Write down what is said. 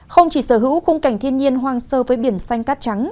không chỉ sở hữu khung cảnh thiên nhiên hoang sơ với biển xanh cát trắng